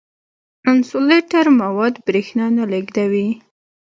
انسولټر مواد برېښنا نه لیږدوي.